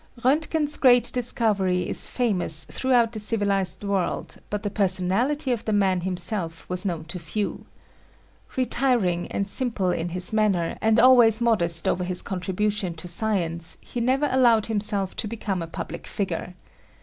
J Roentgen's great discovery is famous throughout the civilized world but the personality of the man himself was known to few. Retiring and simple in his manner and always modest over his contribution to science he never allowed himself to become a public figure.